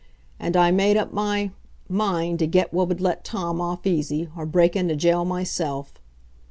And I made up my mind to get what would let Tom off easy, or break into jail myself.